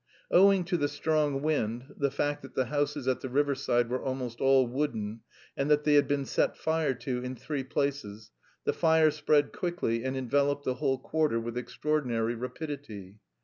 Owing to the strong wind, the fact that the houses at the riverside were almost all wooden, and that they had been set fire to in three places, the fire spread quickly and enveloped the whole quarter with extraordinary rapidity.